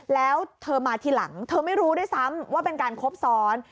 แล้วเธอมาทีหลังเธอไม่รู้ด้วยซ้ำว่าเป็นการคบซ้อน